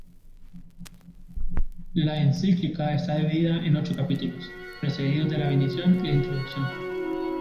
La encíclica está dividida en ocho capítulos, precedidos de la bendición y la introducción.